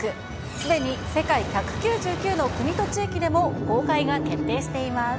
すでに世界１９９の国と地域でも公開が決定しています。